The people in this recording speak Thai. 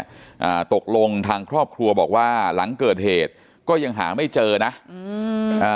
อ่าตกลงทางครอบครัวบอกว่าหลังเกิดเหตุก็ยังหาไม่เจอนะอืมอ่า